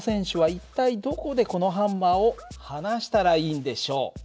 一体どこでこのハンマーを放したらいいんでしょう？